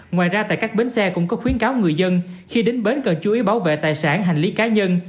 ngoài ra tại các bến xe cũng có khuyến cáo người dân khi đến bến cần chú ý bảo vệ tài sản hành lý cá nhân